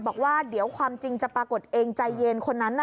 บอกว่าเดี๋ยวความจริงจะปรากฏเองใจเย็นคนนั้น